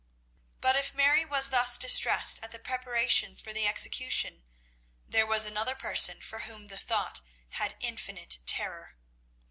But if Mary was thus distressed at the preparations for the execution, there was another person for whom the thought had infinite terror.